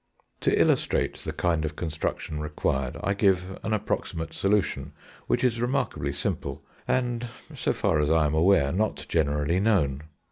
To illustrate the kind of construction required, I give an approximate solution which is remarkably simple, and, so far as I am aware, not generally known.